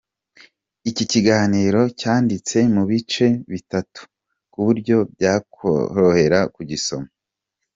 Iki kiganiro cyanditse mu bice bitatu ku buryo byakorohera kugisoma.